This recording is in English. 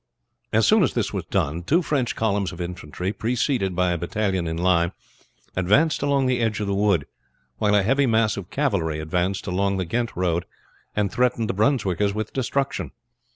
As soon as this was done two French columns of infantry, preceded by a battalion in line, advanced along the edge of the wood, while a heavy mass of cavalry advanced along the Ghent road, and threatened the Brunswickers with destruction.